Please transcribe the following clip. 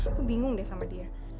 aku bingung deh sama dia